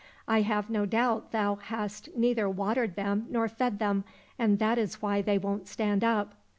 I have no doubt thou hast neither watered them nor fed them, and that is why they won't stand up."